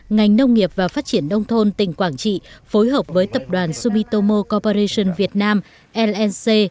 ngành nông nghiệp và phát triển nông thôn tỉnh quảng trị phối hợp với tập đoàn sumitomo coperation việt nam rnc